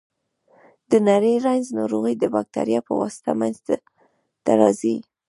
د نري رنځ ناروغي د بکتریا په واسطه منځ ته راځي.